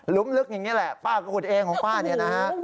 มลึกอย่างนี้แหละป้าก็ขุดเองของป้าเนี่ยนะฮะ